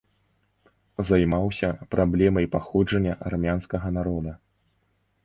Займаўся праблемай паходжання армянскага народа.